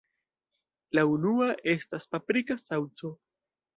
La unua estas Paprika Saŭco.